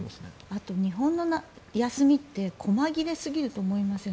あと日本の休みって細切れすぎると思いません？